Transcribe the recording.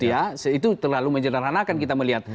itu terlalu menyederhanakan kita melihat